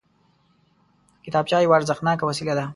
کتابچه یوه ارزښتناکه وسیله ده